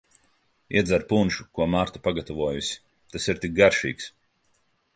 Iedzer punšu, ko Marta pagatavojusi, tas ir tik garšīgs.